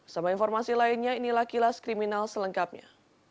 sama informasi lainnya inilah kilas kriminal selengkapnya